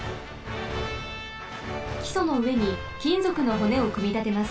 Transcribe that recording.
きそのうえにきんぞくのほねをくみたてます。